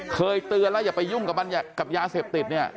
เคยเตือนแล้วอย่าไปยุ่งกับมันกับยาเสพติดเนี่ย